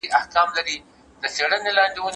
سپین سرې په خپل جېب کې د شیرني پاتې شونې ولټولې.